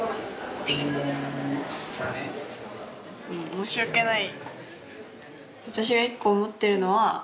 申し訳ない。